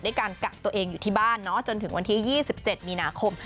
การกักตัวเองอยู่ที่บ้านจนถึงวันที่๒๗มีนาคม